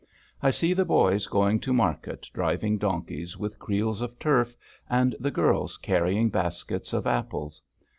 I see the boys going to market driving donkeys with creels of turf, and the girls carrying baskets of apples.